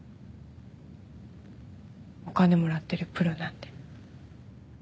お金もらってるプロなんで。